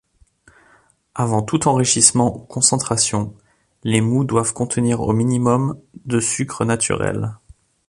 Avant tout enrichissement ou concentration, les moûts doivent contenir au minimum de sucre naturel.